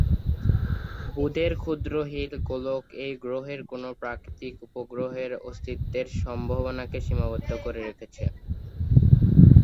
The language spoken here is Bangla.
বুধের ক্ষুদ্র হিল গোলক এই গ্রহের কোনও প্রাকৃতিক উপগ্রহের অস্তিত্বের সম্ভাবনাকে সীমাবদ্ধ করে রেখেছে।